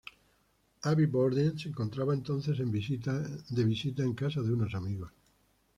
Abbie Borden se encontraba entonces de visita en casa de unos amigos.